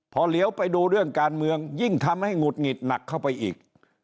พอเหลียวไปดูเรื่องการเมืองยิ่งทำให้หงุดหงิดหนักเข้าไปอีก